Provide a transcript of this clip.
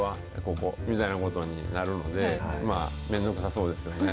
ここ、みたいなことになるので、まあ、面倒くさそうですよね。